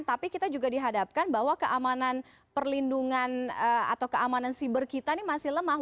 tapi kita juga dihadapkan bahwa keamanan perlindungan atau keamanan siber kita ini masih lemah